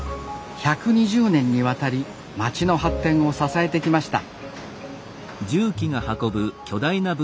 １２０年にわたり町の発展を支えてきました